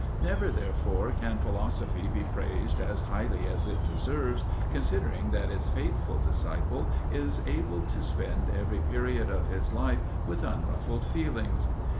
Never, therefore, can philosophy be praised as highly as it deserves considering that its faithful disciple is able to spend every period of his life with unruffled feelings.